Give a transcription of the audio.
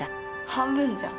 半分じゃん。